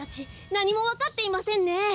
なにもわかっていませんね。